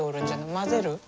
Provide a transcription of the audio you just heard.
混ぜる？